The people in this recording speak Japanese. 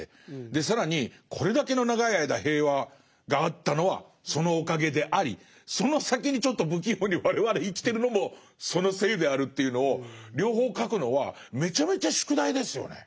更にこれだけの長い間平和があったのはそのおかげでありその先にちょっと不器用に我々生きてるのもそのせいであるというのを両方書くのはめちゃめちゃ宿題ですよね。